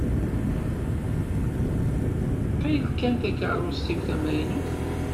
Ṭill kan takeṛṛust-iw tamaynut.